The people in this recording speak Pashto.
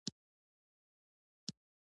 ځمکه يوه سپوږمۍ لري